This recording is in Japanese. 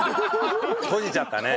閉じちゃったね。